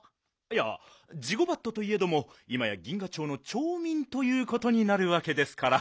いやジゴバットといえどもいまや銀河町の町みんということになるわけですから。